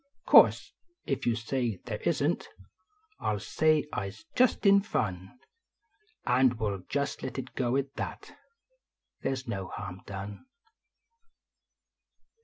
Course, if you say they isn t, I ll say I s just in fun. And we ll just let it go at that Thev s no harm done.